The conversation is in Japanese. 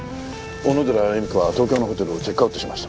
小野寺由美子は東京のホテルをチェックアウトしました。